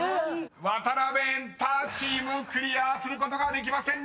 ［ワタナベエンタチームクリアすることができませんでした！］